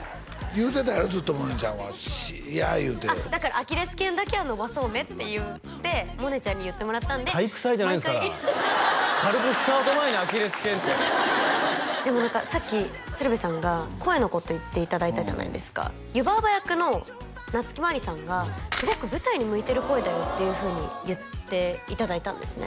言うてたやろずっと萌音ちゃんはしいや言うてあっだからアキレス腱だけは伸ばそうねって言って萌音ちゃんに言ってもらったんで体育祭じゃないんですから軽くスタート前にアキレス腱ってでも何かさっき鶴瓶さんが声のこと言っていただいたじゃないですか湯婆婆役の夏木マリさんがすごく舞台に向いてる声だよっていうふうに言っていただいたんですね